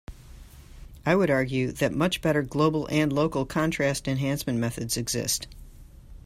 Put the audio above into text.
I would argue that much better global and local contrast enhancement methods exist.